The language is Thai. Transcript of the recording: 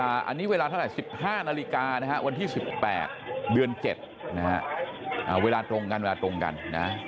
อันนี้เวลาเท่าไหร่๑๕นาฬิกานะฮะวันที่๑๘เดือน๗นะฮะเวลาตรงกันเวลาตรงกันนะ